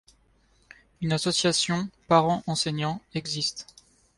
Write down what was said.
Une association parents-enseignants existe.